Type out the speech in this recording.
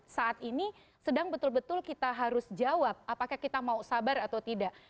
saat ini sedang betul betul kita harus jawab apakah kita mau sabar atau tidak